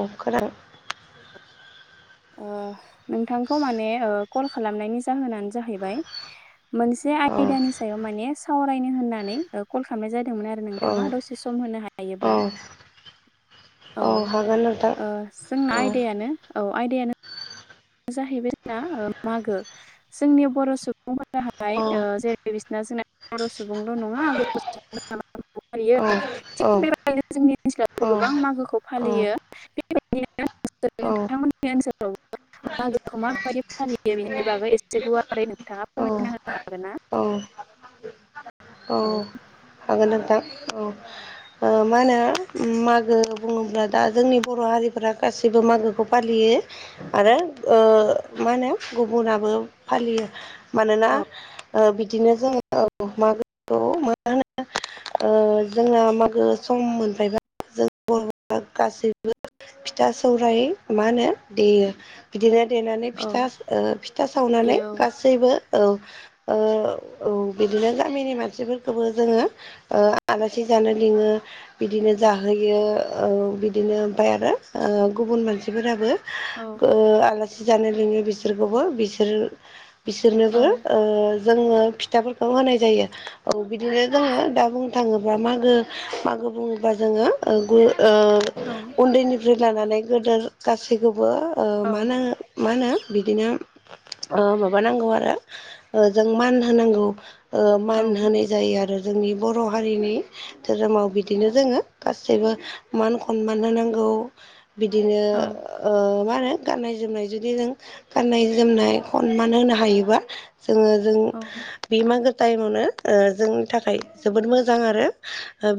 अ खोनादों ओ नोंथांखौ माने ओ कल खालामनायनि जाहोनानो जाहैबाय मोनसे औ आयदानि सायाव माने सावरायनो होननानै ओ कल खामनाय जादोंमोन आरो औ नोंथाङा दसे सम होनो औ हायोब्ला। औ हागोन नोंथां ओ जोंना औ आयदायानो औ आयदायानो जाहैबाय जोंना ओ मागो। जोंनि बर' सुबुंफोराहाय औ ओ जेरै बिसिना [unintelligible] बर' सुबुंल' नङा [inaudible] [inaudible] जोंनि औ औ ओनसोलावबो औ गोबां मागोखौ औ फालियो। औ [inaudible] मागोखौ माबायदि फालियो बेनि बागै एसे गुवारै नोंथाङा फोरमायना होनो हागोन ना? औ हागोन नोंथां औ अ मा होनो मागो बुङोब्ला दा जोंनि बर' हारिफोरा गासैबो मागोखौ फालियो। आरो ओ मा होनो गुबुनाबो फालियो मानोना औ ओ बिदिनो जोङो औ मागो [inaudible] ओ जोंना मागो सम मोनफायबा जों [inaudible] गासैबो फिथा सौराय मा होनो देयो। बिदिनो देनानै औ फिथा ओ फिथा दे सावनानै औ गासैबो औ ओ औ बिदिनो गामिनि मानसिफोरखौबो जोङो ओ आलासि जानो लिङो बिदिनो जाहोयो बिदिनो ओमफाय आरो गुबुन मानसिफोराबो औ [unintelligible] आलासि जानो लोङो बिसोरखौबो बिसोर बिसोरनोबो ओ जोङो फिथाफोरखौ होनाय जायो। औ बिदिनो जोङो दा बुंनो थाङोब्ला मागो मागो बुङो बा जोङो ओ औ उन्दैनिफ्राय लानानै गोदोर गासैखौबो ओ औ मा [unintelligible] मा होनो बिदिनो अ माबानांगौ आरो जों मान होनांगौ। ओ औ मान होनाय जायो आरो जोंनि बर' हारिनि धोरोमाव बिदिनो जोङो गासैबो मान खनमान होनांगौ बिदिनो औ ओ मा होनो गाननाय जोमनाय जुदि जों गाननाय जोमनाय हनमान होनो हायोबा जोङो जों औ बे मागो टाइमावनो ओ जोंनि थाखाय जोबोद मोजां आरो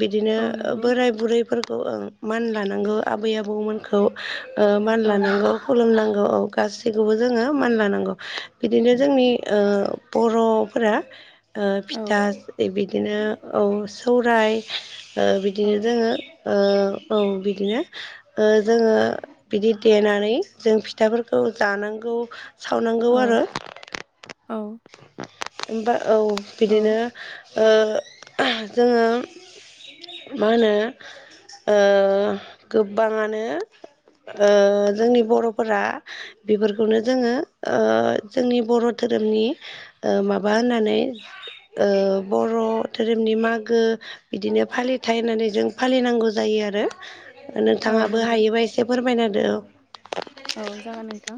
बिदिनो औ नंगौ बोराय बुरैफोरखौ ओ मान लानांगौ आबै आबौमोनखौ मान औ लानांगौ। खुलुमनांगौ औ गासैखौबो जोङो मान लानांगौ बिदिनो जोंनि ओ बर'फोरा ओ औ फिथा बिदिनो औ सौराय ओ औ बिदिनो जोङो ओ औ बिदिनो ओ जोङो बिदि देनानै जों फिथाफोरखौ जानांगौ। सावनांगौ औ आरो औ होमबा औ औ बिदिनो ओ जोङो मा होनो गोबाङानो जोंनि बर'फोरा बेफोरखौनो जोङो जोंनि बर' धोरोमनि माबा होननानै बर' धोरोमनि मागो बिदिनो फालिथाय होननानै जों फालिनांगौ जायो आरो औ नोंथाङाबो नंगौ हायोबा एसे फोरमायना होदो औ औ जागोन नोंथां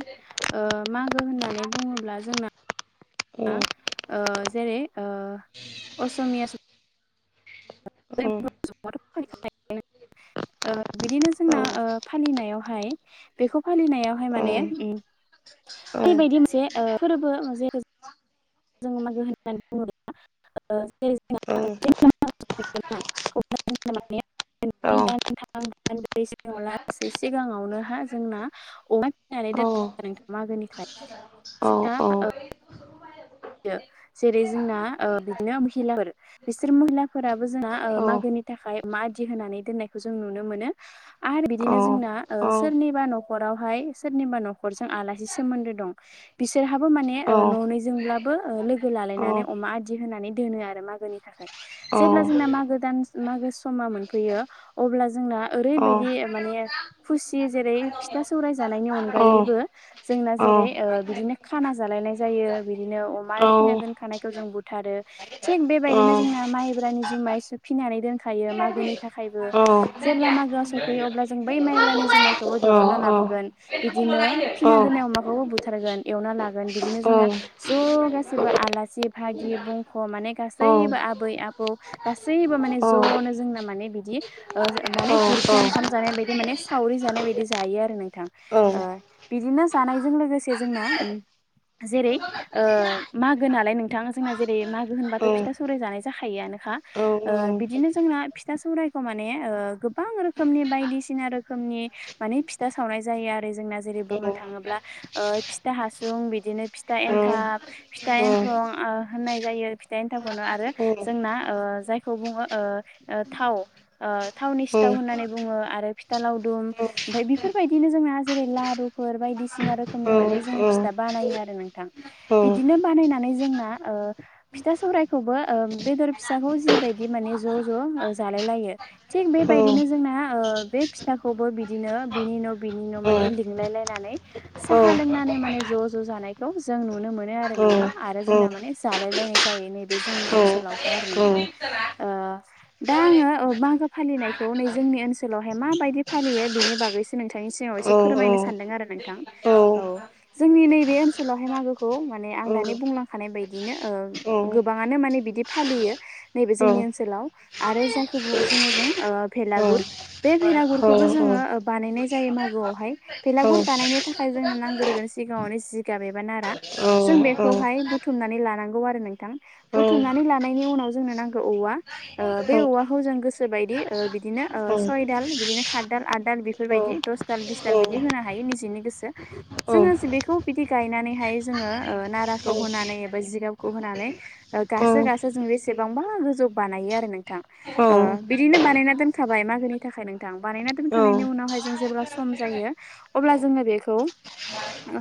मागो होननानै बुंङोब्ला जोंना औ जेरै असमिया औ [unintelligible] ' बिदिनो जोंना फालिनायावहाय बेखौ फालिनायावहाय औ माने औ ओरैबायदि मोनसे फोरबो मोन जों मागो होननानै बुङोब्ला औ [unintelligible] [unintelligible] [unintelligible] लासै सिगाङावनो हा जोंना अन दोनखायो औ आरो नोंथां मागोनिखाय जोंना औ जेरै जोंना बिदिनो महिलाफोर बिसोर महिलाफोराबो जोंहा औ मागोनि थाखाय मा आदि होनानै दोननायखौ जों नुनो मोनो आरो बिदिनो जोंना सोरनिबा न'खरावहाय सोरनिबा न'खरजों आलासि सोमोन्दो दं बिसोरहाबो माने औ न'नि जोंब्लाबो लोगो लालायनानै अमा आदि होनानै दोनो आरो मागोनि थाखाय जेब्ला जोंना मागो दान मागो समा मोनफैयो अब्ला जोंना ओरैबायदि माने खुसि जेरै फिथा सौराय जानायनि अनगायैबो जोंना जेरै ओ बिदिनो खाना जालायनाय जायो बिदिनो अमा फिना दोनखानायखौ जों बुथारो थिग औ बेबायदिनो जोंना माइब्रानि जुमाइसो फिनानै दोनखायो मागोनि थाखायबो जेब्ला मागोआ सफैयो अब्ला जों बै माइब्रानि जुमाइखौबो दिरुनना लाबोगोन बिदिनो फिना दोननाय अमाखौबो बुथारगोन एवना लागोन बिदिनो जोंना ज' गासैबो आलासि भागि बुंख' माने गासैबो आबै आबौ गासैबो माने ज'नो जोंना माने बिदि माने गुरखिया ओंखाम जानाय बायदि माने सावरि जानाय बायदि जायो आरो नोंथां आ बिदिनो जानायजों लोगोसे जोंना जेरै ओ मागो नालाय नोंथाङा जोंना जेरै मागो होनबाथ' फिथा सौराय जानाय जाखायोआनोखा बिदिनो जोंना फिथा सौरायखौ माने गोबां रोखोमनि बायदिसिना रोखोमनि मानि फिथा सावनाय जायो आरो जोंना जेरै बुंनो थाङोब्ला फिथा हासुं बिदिनो फि था एन्थाब फिथा एंख्रं होननाय जायो फिथा एन्थाबखौनो आरो जोंना ओ जायखौ बुङो ओ थाव थावनि सिथाव होननानै बुंङो आरो फिथा लावदुम औ औ ओमफाय बेफोरबायदिनो जोंना जेरै लारुफोर बायदिसिना औ रोखोमनि माने जोंङो फिथा बानायो आरो नों थां बिदिनो बानायनानै जोंना ओ फिथा सौरायखौबो बेदर फिसाखौ जिबायदि माने ज' ज' जालाय लायो थिग बेबायदिनो जोंना बे फिथाखौबो बिदिनो बिनि न' बिनि न' माने औ लिंलायलायनानै साहा लोंनानै माने ज' ज' जानाय बेखौ जों नुनो मोनो आरो नोंथां आरो जोंना माने जालाय लायनाय जायो नैबे जोंनि ओनसोलावहाय आरो नोंथां ओ दा आङो मागो फालिनायखौ नै जोंनि ओनसोलावहाय माबायदि फालियो बिनि बागैसो नोंथांनि सिगाङाव एसे फोरमायनो सानदों आरो नोंथां औ जोंनि नैबे ओनसोल ओनसोलावहाय मागोखौ माने आं दानि बुंलांखानाय बायदिनो गोबाङानो माने बिदि फालियो नैबे जोंनि ओनसोलाव आरो जायखौ बुं जोंङो जों भेलागुर बे भेरागुरखौबो जोङो बानायनाय जायो मागोआवहाय बेलागुर बानायनो थाखाय जोंनो नांग्रोगोन सिगाङावनो जिगाब एबा नारा। जों बेखौहाय बुथुमनानै लानांगौ आरो नोंथां। बुथुमनानै लानायनि उनाव जोंनो नांगौ औवा। ओ बे औवाखौ जों गोसोबायदि ओ बिदिनो ओ सय दाल बिदिनो सात दाल आद दाल बेफोरबायदि दस दाल बिसदाल बिदि होनो हायो निजिनि गोसो। जोङो जे बेखौ बिदि गायनानैहाय जोङो ओ नाराखौ होनानै एबा जिगाबखौ होनानै ओ गासो गासो जों बेसेबांबा गोजौ बानायो आरो नोंथां। ओ बिदिनो बानायना दोनखाबाय मागोनि थाखाय नोंथां बानायना दोनखांनायनि उनावहाय जों जेब्ला सम जायो अब्ला जोङो बेखौ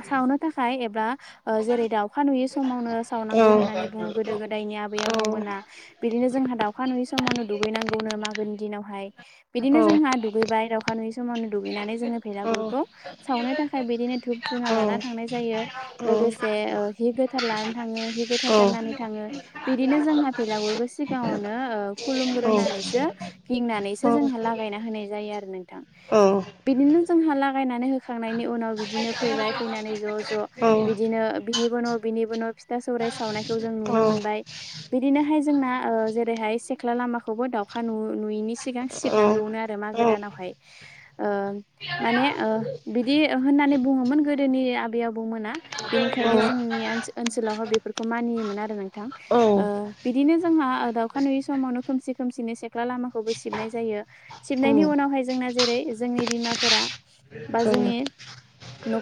सावनो थाखाय एबा ओ जेरै दाउखा नुयि समावनो सावनांगौ होननानै बुङो गोदो गोदायनि आबै आबौमोना। बिदिनो जोंहा दाउखा नुयि समावनो दुगैनांगौनो मागोनि दिनावहाय। बिदिनो जोंहा दुगैबाय दाउखा नुयि समावनो दुगैनानै जोङो बेलागुरखौ सावनो थाखाय बिदिनो धुप धुना लाना थांनाय जायो। लोगोसे ओ हि गोथार लानानै थाङो हि गोथार औ गाननानै थाङो। बिदिनो जोंहा भेलागुरखौ सिगाङावनो ओ औ खुलुमग्रोनानैसो गिंनानैसो जोंहा लागायना होनाय जायो आरो नोंथां। बिदिनो जोंहा लागायनानै होखांनायनि उनाव बिदिनो फैबाय फैनानै ज' ज' औ बिदिनो बिनिबो न' बिनिबो न' फिथा सौराइ सावनायखौ जों नुनो मोनबाय। बिदिनोहाय जोंना जेरैहाय सेख्ला लामाखौबो दाउखा नु-नुयिनि सिगां सिब नांगौनो आरो मागो दानावहाय। ओ माने ओ बिदि होननानै बुङोमोन गो दोनि आबै आबौ मोना बेनिखायनो जोंनि ओन-ओनसोलावहाय बेफोरखौ मानियोमोन आरो नोंथां। ओ बिदिनो जोंहा दाउखा नुयि समावनो खोमसि खोमसिनो सेख्ला लामाखौबो सिबनाय जायो। सिबनायनि उनावहाय जोंना जेरै जोंनि बिमाफोरा औ।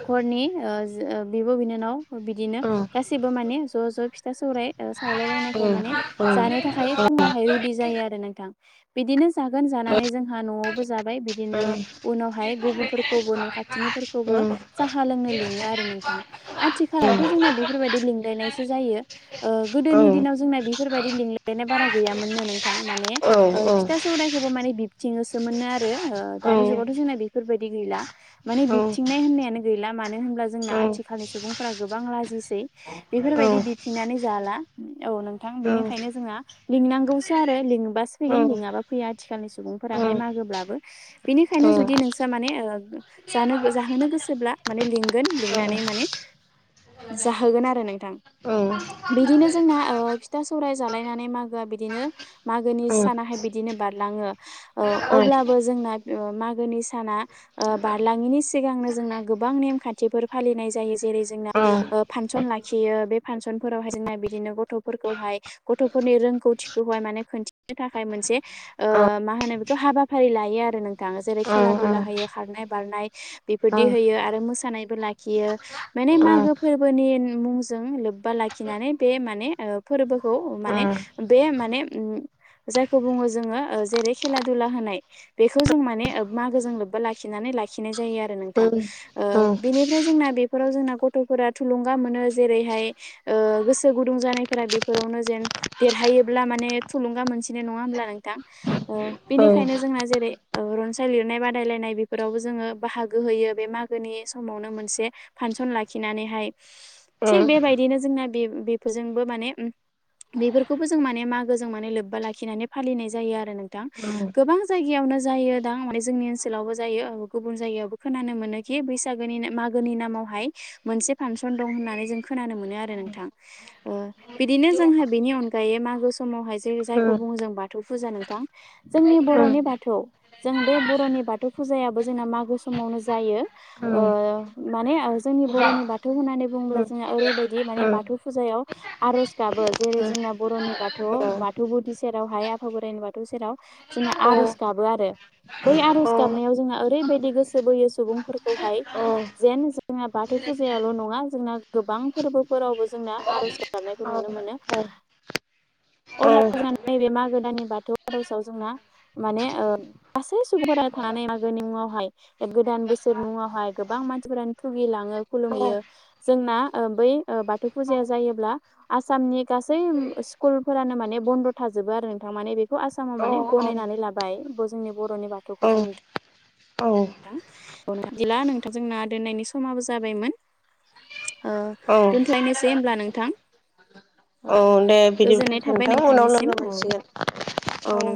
हरनि ओ ओ बिब' बिनानाव बिदिनो गासैबो माने ज' ज' फिथा सौराय ओ सावलायलायनायखौ माने जानो थाखाय फुङावहाय रेडि जायो आरो नोंथां। बिदिनो जागोन जानानै जोंहा न'आवबो जाबाय बिदिनो उनावहाय गुबुनफोरखौबो न' खाथिनिफोरखौबो साहा लोंनो लिङो आरो नोंथां। आथिखालावथ' जोंना बेफोरबायदि लिंलायनायसो जायो। ओ गोदोनि दिनाव जोंना बेफोरबायदि लिंलायनाय बारा गैयामोननो नोंथां माने ओ फिथा सौराफोरखौबो माने बिबथिंयोसो मोननो आरो दानि जुगावथ' जोंना बेफोरबायदि गैला। माने बिबथिंनाय होननायानो गैला मानो होनब्ला जोंना आथिखालनि सुबुंफोरा गोबां लाजिसै। बेफोरबायदि बिथिंनानै जाला। औ नोंथां बिनिखायनो जोंहा लिंनांगौसो आरो लिंबासो फैगोन लिङाबा फैया आथिखालनि सुबुंफोराहाय मागोब्लाबो। बिनिखायनो जुदि नोंस्रा माने ओ जानो जाहोनो गोसोब्ला माने लिंगोन लिंनानै माने जाहोगोन आरो नोंथां। बिदिनो जोंना ओ फिथा सौराय जालायनानै मागोआ बिदिनो मागोनि सानाहाय बिदिनो बारलाङो। ओ अब्लाबो जोंना ओ मागोनि साना ओ बारलाङिनि सिगांनो जोंना गोबां नेमखान्थिफोर फालिनाय जायो। जेरै जोंना ओ फानसन लाखियो बे फांसनफोरावहाय जोंना बिदिनो गथ'फोरखौहाय गथ'फोरनि रोंगौथिखौहाय माने खोन्थिनो थाखाय मोनसे ओ मा होनो बेखौ हाबाफारि लायो आरो नोंथां। जेरै खेला दुला होयो खारनाय बारनाय बेफोरदि होयो आरो मोसानायबो लाखियो। माने औ मागो फोर्बोनि मुंजों लोब्बा लाखिनानै बे माने ओ फोर्बोखौ औ माने बे माने उम जायखौ बुङो जोङो ओ जेरै खेला दुला होनाय। बेखौ जों माने मागोजों लोब्बा लाखिनानै लाखिनाय जायो आरो औ नोंथां। ओ औ बेनिफ्राय जोंना बेफोराव जोंना गथ'फोरा थुलुंगा मोनो जेरैहाय ओ गोसो गुदुं जानायफोरा बेफोरावनो जेन देरहायोब्ला माने थुलुंगा मोनसिनो नङा होमब्ला नोंथां? ओ बिनिखायनो जोंना जेरै रनसाय लिरनाय बादायलायनाय बेफोरावबो जोङो बाहागो होयो बे माग गोनि समावनो मोनसे फानसन लाखिनानैहाय औ थिग बेबायदिनो जोंना बे बेफोरजोंबो माने बेफोरखौबो जों माने मागोजों माने लोब्बा लाखिनानै फालिनाय जायो आरो नोंथां। गोबां जायगायावनो जायो दां माने जोंनि ओनसोलावबो जायो गुबुन जायगायावबो खोनानो मोनो खि बैसागोनि मागोनि नामावहाय मोनसे फांसन दं होननानै जों खोनानो मोनो आरो नोंथां। ओ [inaudible] बिदिनो जोंहा बिनि अनगायै मागो समावहाय जे जायखौ बुङो जों बाथौ फुजा नोंथां। जोंनि बर'नि बाथौ जों बे बर'नि बाथौ फुजायाबो जोंना मागो समावनो जायो। ओ माने जोंनि बर'नि बाथौ होननानै बुङोब्ला जोङो ओरैबायदि माने बाथौ फुजायाव आर'ज गाबो जेरै जोंना बर'नि बाथौ बाथौ गुदि सेरावहाय आफा बोराइनि बाथौ सेराव जोंना आर'ज गाबो आरो बै आर'ज गाबनायाव जोंहा ओरैबायदि गोसो बोयो सुबुंफोर खौहाय जेन जोंना बाथौ फुजायाल' नङा जोंना गोबां फोरबोफोरावबो जोंना आर'ज गाब गाबनायखौ नुनो मोनो। अब्ला जोंना नैबे मागो दाननि बाथौ आर'जआव जोंना माने ओ गासै सुबुंफोरा थानानै मागोनि मुङावहाय गोदान बोसोर मुङावहाय गोबां मानसिफोरानो थुगिलाङो खुलुमहैयो। जोंना बै बाथौ फुजाया जायोब्ला आसामनि गासै स्कुल फोरानो माने बन्द' थाजोबो आरो नोंथां माने बेखौ आसामाव माने गनायनानै लाबाय जोंनि बर'नि बाथौखौ। औ नोंथां अ नोंथां बिदिला नोंथां जोंना दोननायनि समाबो जाबायमोन। ओ दोनथ्लायनोसै होमब्ला नोंथां। औ दे बिदिबा गोजोननाय थाबाय नोंथां उनाव नोंथांनिसिम लोगो औ मोनैसिगोन औ।